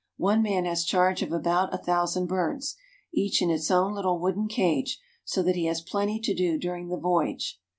One man has charge of about a thousand birds, each in its own little wooden cage, so that he has plenty to do during the voyage.